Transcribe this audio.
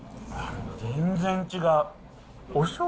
全然違う。